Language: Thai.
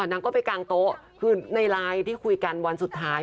นางก็ไปกางโต๊ะคือในไลน์ที่คุยกันวันสุดท้าย